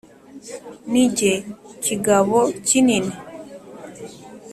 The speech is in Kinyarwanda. ni jye kigabo kinini